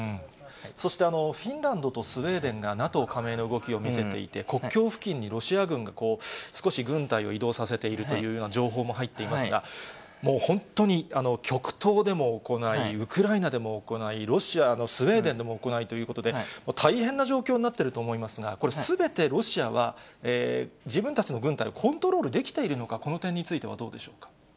そして、フィンランドとスウェーデンがＮＡＴＯ加盟の動きを見せていて、国境付近にロシア軍が少し軍隊を移動させているというような情報も入っていますが、もう本当に極東でも行い、ウクライナでも行い、ロシアで、スウェーデンでも行いということで、大変な状況になっていると思いますが、これ、すべてロシアは自分たちの軍隊、コントロールできているのか、この点についてはどうでしょうか。